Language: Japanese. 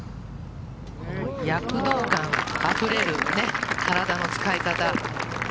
躍動感あふれる体の使い方。